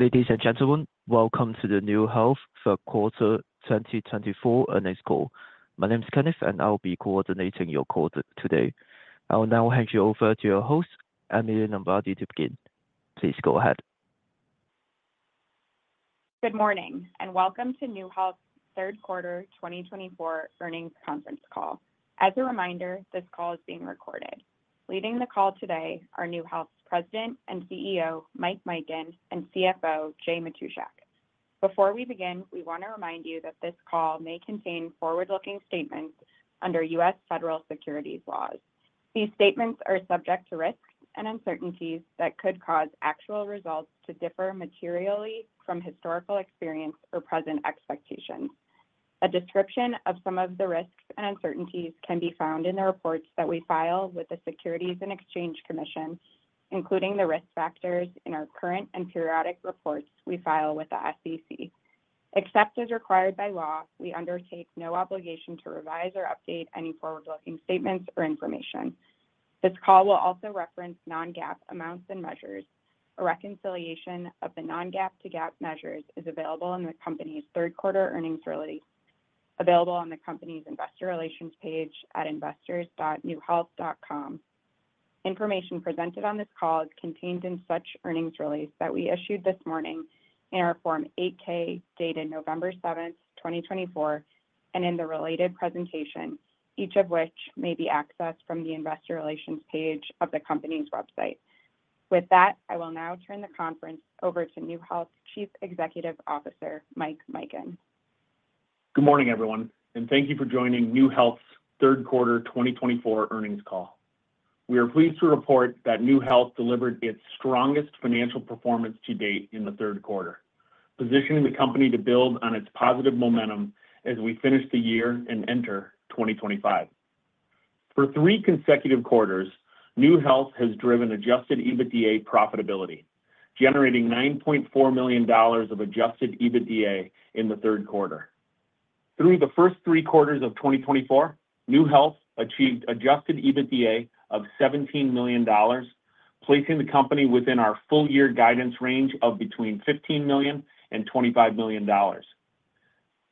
Ladies and gentlemen, welcome to the NeueHealth first quarter 2024 earnings call. My name is Kenneth, and I'll be coordinating your call today. I'll now hand you over to your host, Emily Lombardi, to begin. Please go ahead. Good morning, and welcome to NeueHealth's third quarter 2024 earnings conference call. As a reminder, this call is being recorded. Leading the call today are NeueHealth's President and CEO, Mike Mikan, and CFO, Jay Matushak. Before we begin, we want to remind you that this call may contain forward-looking statements under U.S. federal securities laws. These statements are subject to risks and uncertainties that could cause actual results to differ materially from historical experience or present expectations. A description of some of the risks and uncertainties can be found in the reports that we file with the Securities and Exchange Commission, including the risk factors in our current and periodic reports we file with the SEC. Except as required by law, we undertake no obligation to revise or update any forward-looking statements or information. This call will also reference Non-GAAP amounts and measures. A reconciliation of the non-GAAP to GAAP measures is available in the company's third quarter earnings release, available on the company's investor relations page at investors.neuehealth.com. Information presented on this call is contained in such earnings release that we issued this morning in our Form 8-K dated November 7, 2024, and in the related presentation, each of which may be accessed from the investor relations page of the company's website. With that, I will now turn the conference over to NeueHealth Chief Executive Officer, Mike Mikan. Good morning, everyone, and thank you for joining NeueHealth's third quarter 2024 earnings call. We are pleased to report that NeueHealth delivered its strongest financial performance to date in the third quarter, positioning the company to build on its positive momentum as we finish the year and enter 2025. For three consecutive quarters, NeueHealth has driven Adjusted EBITDA profitability, generating $9.4 million of Adjusted EBITDA in the third quarter. Through the first three quarters of 2024, NeueHealth achieved Adjusted EBITDA of $17 million, placing the company within our full-year guidance range of between $15 million and $25 million.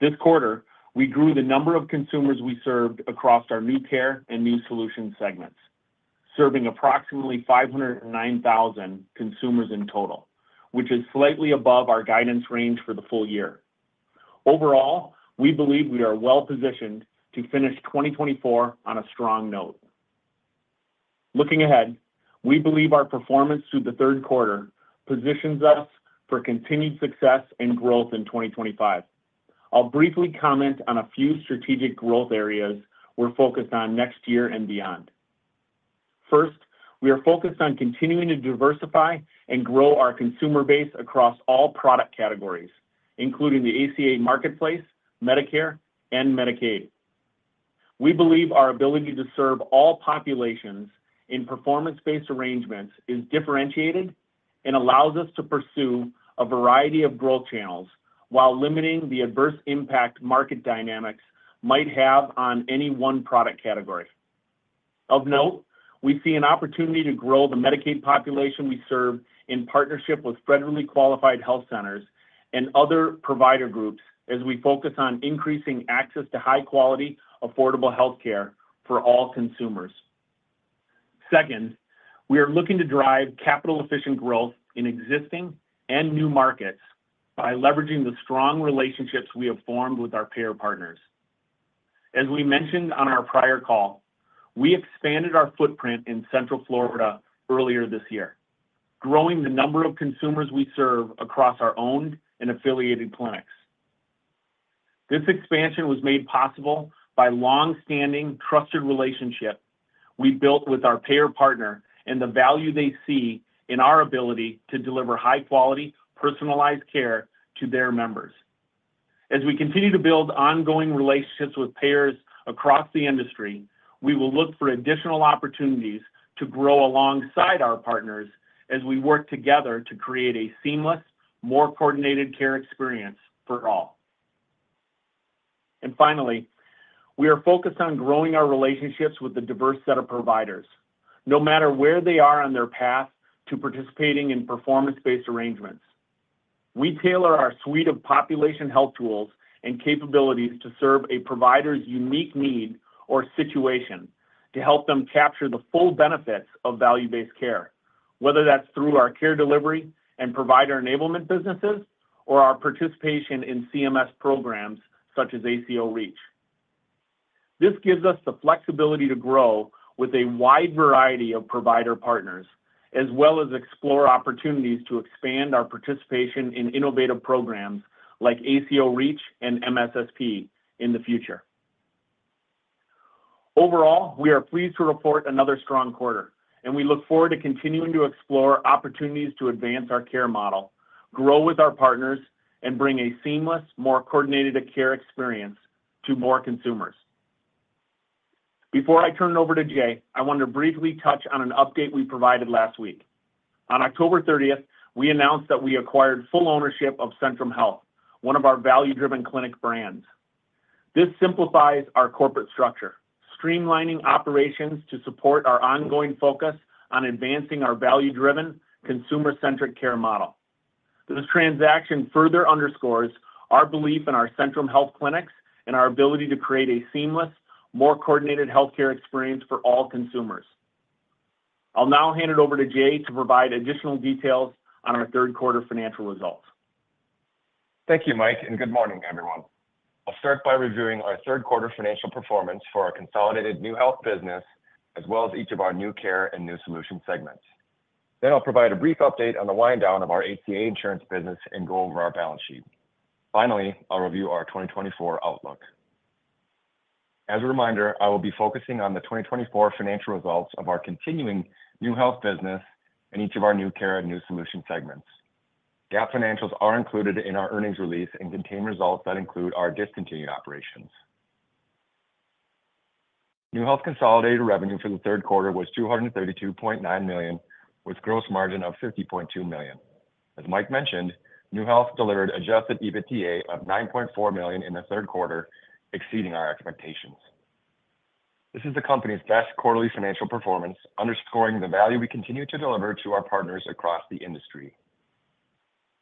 This quarter, we grew the number of consumers we served across our NeueCare and NeueSolutions segments, serving approximately 509,000 consumers in total, which is slightly above our guidance range for the full year. Overall, we believe we are well positioned to finish 2024 on a strong note. Looking ahead, we believe our performance through the third quarter positions us for continued success and growth in 2025. I'll briefly comment on a few strategic growth areas we're focused on next year and beyond. First, we are focused on continuing to diversify and grow our consumer base across all product categories, including the ACA marketplace, Medicare, and Medicaid. We believe our ability to serve all populations in performance-based arrangements is differentiated and allows us to pursue a variety of growth channels while limiting the adverse impact market dynamics might have on any one product category. Of note, we see an opportunity to grow the Medicaid population we serve in partnership with Federally Qualified Health Centers and other provider groups as we focus on increasing access to high-quality, affordable healthcare for all consumers. Second, we are looking to drive capital-efficient growth in existing and new markets by leveraging the strong relationships we have formed with our payer partners. As we mentioned on our prior call, we expanded our footprint in Central Florida earlier this year, growing the number of consumers we serve across our owned and affiliated clinics. This expansion was made possible by a long-standing, trusted relationship we built with our payer partner and the value they see in our ability to deliver high-quality, personalized care to their members. As we continue to build ongoing relationships with payers across the industry, we will look for additional opportunities to grow alongside our partners as we work together to create a seamless, more coordinated care experience for all. Finally, we are focused on growing our relationships with a diverse set of providers, no matter where they are on their path to participating in performance-based arrangements. We tailor our suite of population health tools and capabilities to serve a provider's unique need or situation to help them capture the full benefits of value-based care, whether that's through our care delivery and provider enablement businesses or our participation in CMS programs such as ACO REACH. This gives us the flexibility to grow with a wide variety of provider partners, as well as explore opportunities to expand our participation in innovative programs like ACO REACH and MSSP in the future. Overall, we are pleased to report another strong quarter, and we look forward to continuing to explore opportunities to advance our care model, grow with our partners, and bring a seamless, more coordinated care experience to more consumers. Before I turn it over to Jay, I want to briefly touch on an update we provided last week. On October 30, we announced that we acquired full ownership of Centrum Health, one of our value-driven clinic brands. This simplifies our corporate structure, streamlining operations to support our ongoing focus on advancing our value-driven, consumer-centric care model. This transaction further underscores our belief in our Centrum Health clinics and our ability to create a seamless, more coordinated healthcare experience for all consumers. I'll now hand it over to Jay to provide additional details on our third quarter financial results. Thank you, Mike, and good morning, everyone. I'll start by reviewing our third quarter financial performance for our consolidated NeueHealth business, as well as each of our NeueCare and NeueSolutions segments. Then I'll provide a brief update on the wind-down of our ACA insurance business and go over our balance sheet. Finally, I'll review our 2024 outlook. As a reminder, I will be focusing on the 2024 financial results of our continuing NeueHealth business and each of our NeueCare and NeueSolutions segments. GAAP financials are included in our earnings release and contain results that include our discontinued operations. NeueHealth consolidated revenue for the third quarter was $232.9 million, with a gross margin of $50.2 million. As Mike mentioned, NeueHealth delivered Adjusted EBITDA of $9.4 million in the third quarter, exceeding our expectations. This is the company's best quarterly financial performance, underscoring the value we continue to deliver to our partners across the industry.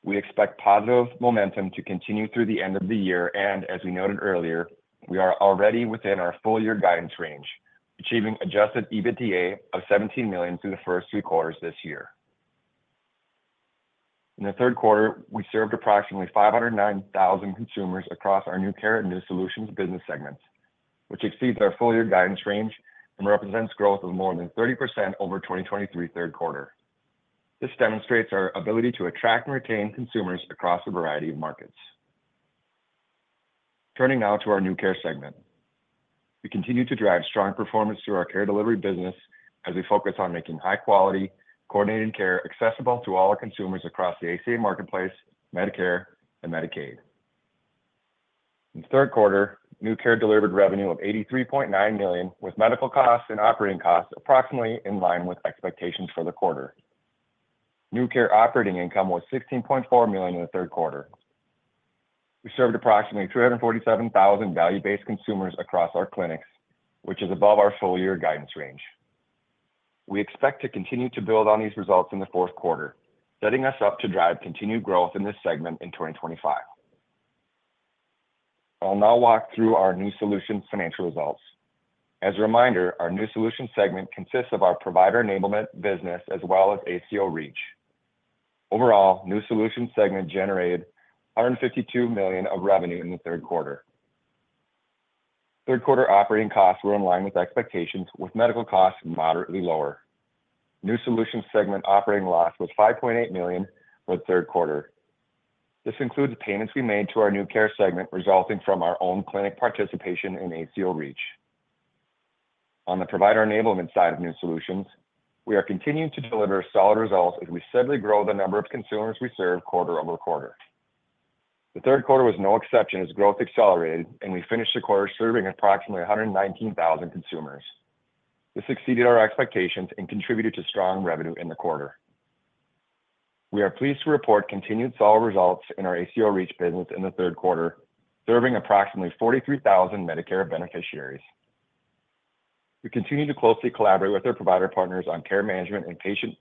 We expect positive momentum to continue through the end of the year, and as we noted earlier, we are already within our full-year guidance range, achieving Adjusted EBITDA of $17 million through the first three quarters this year. In the third quarter, we served approximately 509,000 consumers across our NeueCare and NeueSolutions business segments, which exceeds our full-year guidance range and represents growth of more than 30% over 2023 third quarter. This demonstrates our ability to attract and retain consumers across a variety of markets. Turning now to our NeueCare segment, we continue to drive strong performance through our care delivery business as we focus on making high-quality, coordinated care accessible to all our consumers across the ACA marketplace, Medicare, and Medicaid. In the third quarter, NeueCare delivered revenue of $83.9 million, with medical costs and operating costs approximately in line with expectations for the quarter. NeueCare operating income was $16.4 million in the third quarter. We served approximately 347,000 value-based consumers across our clinics, which is above our full-year guidance range. We expect to continue to build on these results in the fourth quarter, setting us up to drive continued growth in this segment in 2025. I'll now walk through our NeueSolutions financial results. As a reminder, our NeueSolutions segment consists of our provider enablement business as well as ACO REACH. Overall, NeueSolutions segment generated $152 million of revenue in the third quarter. Third quarter operating costs were in line with expectations, with medical costs moderately lower. NeueSolutions segment operating loss was $5.8 million for the third quarter. This includes payments we made to our NeueCare segment resulting from our own clinic participation in ACO REACH. On the provider enablement side of NeueSolutions, we are continuing to deliver solid results as we steadily grow the number of consumers we serve quarter over quarter. The third quarter was no exception as growth accelerated, and we finished the quarter serving approximately 119,000 consumers. This exceeded our expectations and contributed to strong revenue in the quarter. We are pleased to report continued solid results in our ACO REACH business in the third quarter, serving approximately 43,000 Medicare beneficiaries. We continue to closely collaborate with our provider partners on care management and patient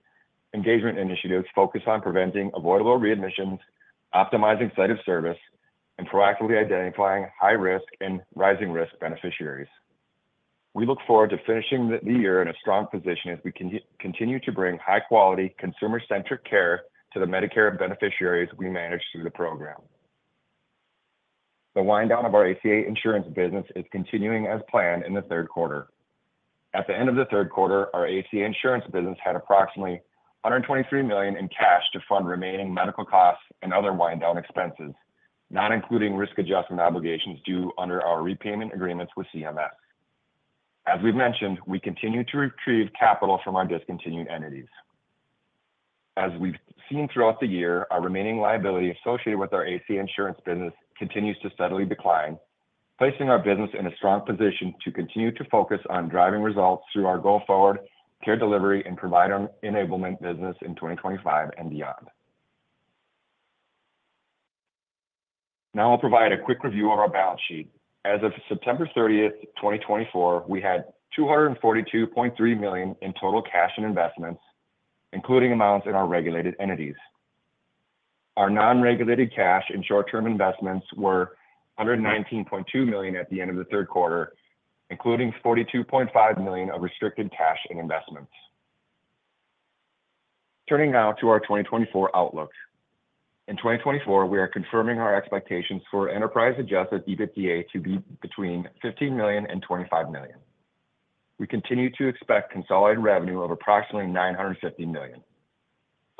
engagement initiatives focused on preventing avoidable readmissions, optimizing site of service, and proactively identifying high-risk and rising-risk beneficiaries. We look forward to finishing the year in a strong position as we continue to bring high-quality, consumer-centric care to the Medicare beneficiaries we manage through the program. The wind-down of our ACA insurance business is continuing as planned in the third quarter. At the end of the third quarter, our ACA insurance business had approximately $123 million in cash to fund remaining medical costs and other wind-down expenses, not including risk adjustment obligations due under our repayment agreements with CMS. As we've mentioned, we continue to retrieve capital from our discontinued entities. As we've seen throughout the year, our remaining liability associated with our ACA insurance business continues to steadily decline, placing our business in a strong position to continue to focus on driving results through our go-forward care delivery and provider enablement business in 2025 and beyond. Now I'll provide a quick review of our balance sheet. As of September 30, 2024, we had $242.3 million in total cash and investments, including amounts in our regulated entities. Our non-regulated cash and short-term investments were $119.2 million at the end of the third quarter, including $42.5 million of restricted cash and investments. Turning now to our 2024 outlook. In 2024, we are confirming our expectations for enterprise-adjusted EBITDA to be between $15 million and $25 million. We continue to expect consolidated revenue of approximately $950 million.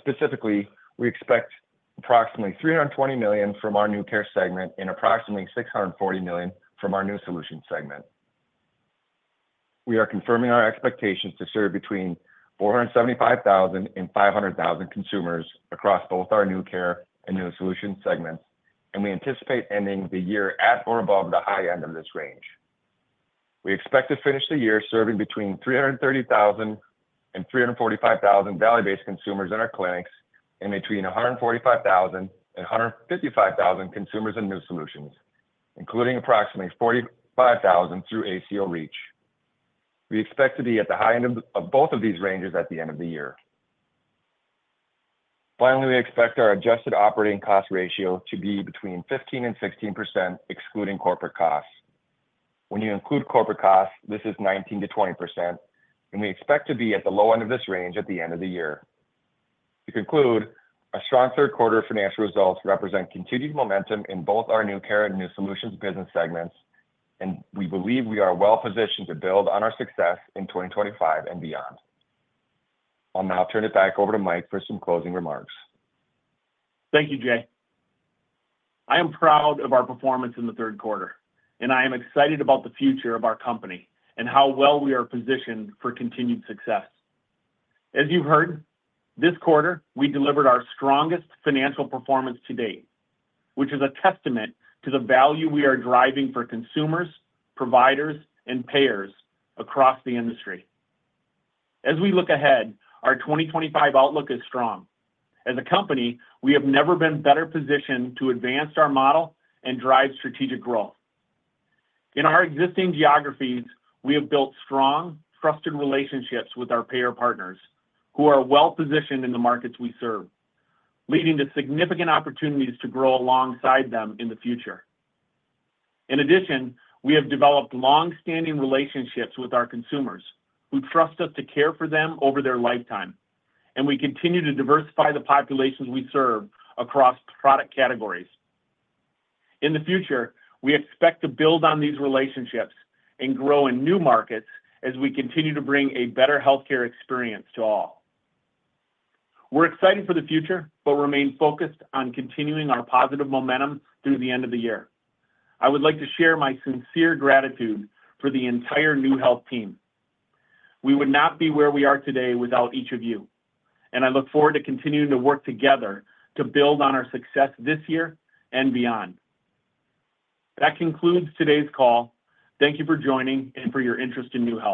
Specifically, we expect approximately $320 million from our new care segment and approximately $640 million from our NeueSolutions segment. We are confirming our expectations to serve between 475,000 and 500,000 consumers across both our new care and NeueSolutions segments, and we anticipate ending the year at or above the high end of this range. We expect to finish the year serving between $330,000 and $345,000 value-based consumers in our clinics and between $145,000 and $155,000 consumers in NeueSolutions, including approximately $45,000 through ACO REACH. We expect to be at the high end of both of these ranges at the end of the year. Finally, we expect our adjusted operating cost ratio to be between 15% and 16%, excluding corporate costs. When you include corporate costs, this is 19% to 20%, and we expect to be at the low end of this range at the end of the year. To conclude, our strong third quarter financial results represent continued momentum in both our new care and NeueSolutions business segments, and we believe we are well positioned to build on our success in 2025 and beyond. I'll now turn it back over to Mike for some closing remarks. Thank you, Jay. I am proud of our performance in the third quarter, and I am excited about the future of our company and how well we are positioned for continued success. As you've heard, this quarter, we delivered our strongest financial performance to date, which is a testament to the value we are driving for consumers, providers, and payers across the industry. As we look ahead, our 2025 outlook is strong. As a company, we have never been better positioned to advance our model and drive strategic growth. In our existing geographies, we have built strong, trusted relationships with our payer partners, who are well positioned in the markets we serve, leading to significant opportunities to grow alongside them in the future. In addition, we have developed long-standing relationships with our consumers, who trust us to care for them over their lifetime, and we continue to diversify the populations we serve across product categories. In the future, we expect to build on these relationships and grow in new markets as we continue to bring a better healthcare experience to all. We're excited for the future, but remain focused on continuing our positive momentum through the end of the year. I would like to share my sincere gratitude for the entire NeueHealth team. We would not be where we are today without each of you, and I look forward to continuing to work together to build on our success this year and beyond. That concludes today's call. Thank you for joining and for your interest in NeueHealth.